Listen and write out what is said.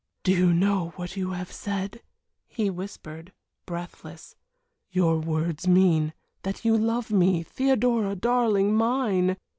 "Do you know what you have said," he whispered, breathless. "Your words mean that you love me Theodora darling mine."